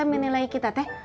orang teh menilai kita teh